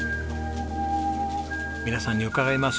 皆さんに伺います。